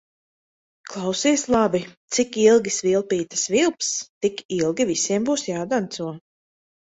Klausies labi: cik ilgi svilpīte svilps, tik ilgi visiem būs jādanco.